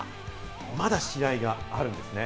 まだ試合があるんですね。